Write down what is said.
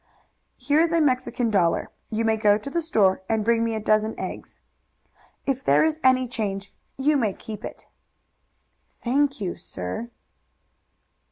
"Here is a Mexican dollar. You may go to the store and bring me a dozen eggs. If there is any change you may keep it." "Thank you, sir."